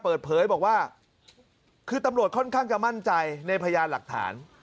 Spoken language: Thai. เปิดเผยบอกว่าคือตำรวจค่อนข้างจะมั่นใจในพยานหลักฐาน